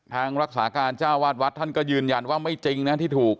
ทางรักษาการเจ้าวาดวัดท่านก็ยืนยันว่าไม่จริงนะที่ถูก